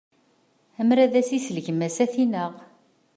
Amer ad as-isel gma-s, ad t-yenɣ.